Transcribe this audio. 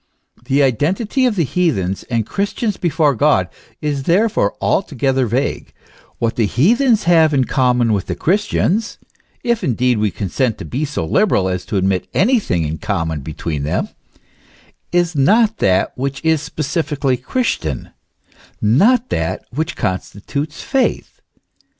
The identity of the heathens and Christians before God is therefore altogether vague ; what the heathens have in common with the Christians if indeed we consent to be so liberal as to admit anything in common between them is not that which is specifically Christian, not that which con stitutes faith.